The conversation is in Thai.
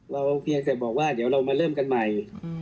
เพียงแต่บอกว่าเดี๋ยวเรามาเริ่มกันใหม่